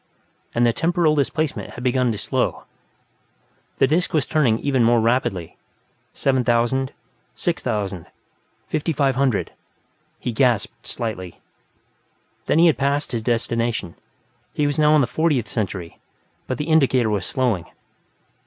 and the temporal displacement had not begun to slow. The disc was turning even more rapidly 7000, 6000, 5500; he gasped slightly. Then he had passed his destination; he was now in the Fortieth Century, but the indicator was slowing.